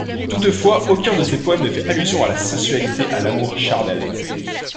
Toutefois, aucun de ces poèmes ne fait allusion à la sensualité, à l'amour charnel.